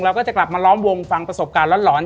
ก็จะกลับมาล้อมวงฟังประสบการณ์หลอน